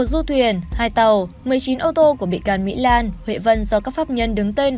một du thuyền hai tàu một mươi chín ô tô của bị can mỹ lan huệ vân do các pháp nhân đứng tên